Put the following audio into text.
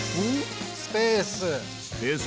スペース。